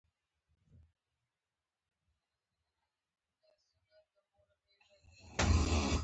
سترګې د انسان ښکلا څرګندوي